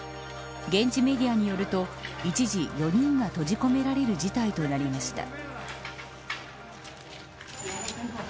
現地メディアによると一時、４人が閉じ込められる事態となりました。